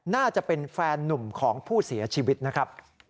น่าจะเป็นแฟนนุ่มของผู้เสียชีวิตนะครับ